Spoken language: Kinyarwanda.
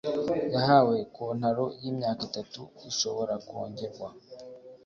Yahawe contaro y’imyaka itatu ishobora kwongerwa